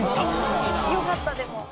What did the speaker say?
よかったでも。